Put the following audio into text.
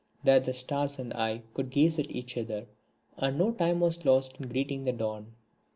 There the stars and I could gaze at each other, and no time was lost in greeting the dawn.